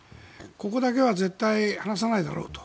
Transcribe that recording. ここだけは絶対に放さないだろうと。